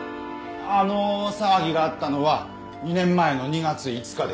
あの騒ぎがあったのは２年前の２月５日です。